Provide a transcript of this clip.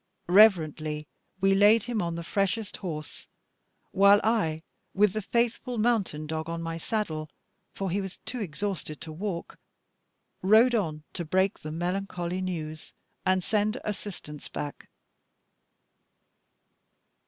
Reverently we laid him on the freshest horse; while I with the faithful mountain dog on my saddle for he was too exhausted to walk rode on to break the melancholy news, and send assistance back.